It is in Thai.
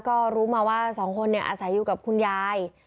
ก็รู้มาว่าสองคนอาศัยอยู่กับคุณยาย